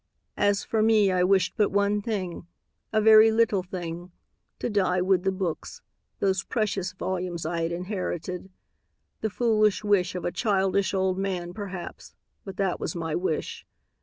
As for me, I wished but one thing, a very little thing: to die with the books, those precious volumes I had inherited. The foolish wish of a childish old man, perhaps, but that was my wish.